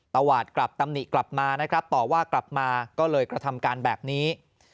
ตวาดกลับตำหนิกลับมานะครับต่อว่ากลับมาก็เลยกระทำการแบบนี้